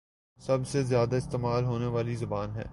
سب سے زیادہ استعمال ہونے والی زبان ہے